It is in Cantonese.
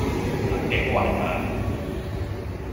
黑警還眼